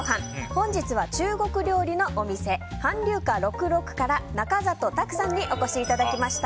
本日は中国料理のお店彬龍華６６から中里卓さんにお越しいただきました。